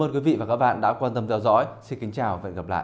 ơn quý vị và các bạn đã quan tâm theo dõi xin kính chào và hẹn gặp lại